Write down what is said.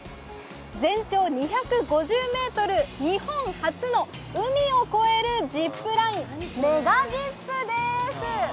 全長２５０ｍ、日本初の海を越えるジップライン、ＭｅｇａＺＩＰです。